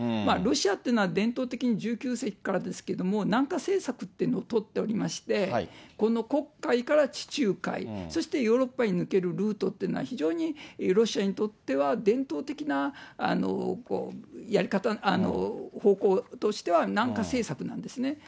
ロシアというのは、伝統的に１９世紀からですけれども、南下政策っていうのを取っておりまして、この黒海から地中海、そしてヨーロッパに抜けるルートっていうのは、非常にロシアにとっては伝統的なやり方、方向としては南下政策なんですね。